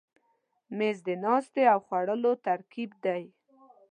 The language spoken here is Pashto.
مېز د ناستې او خوړلو ترکیب دی.